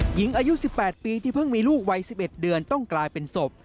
หญิงอายุสิบแปดปีที่เพิ่งมีลูกวัยสิบเอ็ดเดือนต้องกลายเป็นศพ